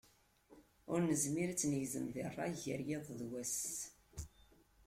Ur nezmir ad tt-negzem di rray gar yiḍ akkeḍ wass.